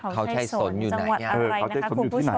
ขาวชัยสนอยู่ไหนคุณผู้ชมจังหวัดอะไรนะคะ